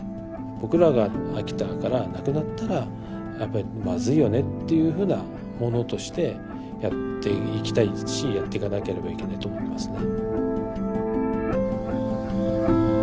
僕らが秋田からなくなったらやっぱりまずいよねっていうふうなものとしてやっていきたいですしやっていかなければいけないと思いますね。